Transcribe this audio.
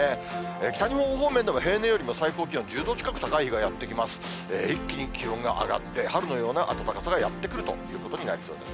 北日本方面でも平年よりも最高気温１０度近く高い日がやって来ます。